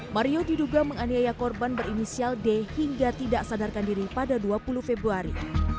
mario diduga menganiaya korban berinisial d hingga tidak sadarkan diri pada dua puluh februari